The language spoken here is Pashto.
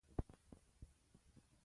په مکتوب کې راغلي دي.